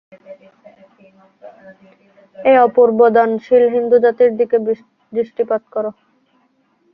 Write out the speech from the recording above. এই অপূর্ব দানশীল হিন্দুজাতির দিকে দৃষ্টপাত কর।